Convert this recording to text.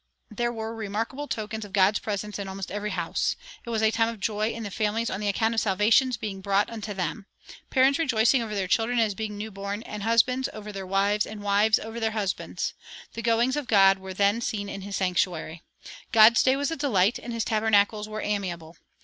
There were remarkable tokens of God's presence in almost every house. It was a time of joy in families on the account of salvation's being brought unto them; parents rejoicing over their children as being new born, and husbands over their wives, and wives over their husbands. The goings of God were then seen in his sanctuary. God's day was a delight, and his tabernacles were amiable.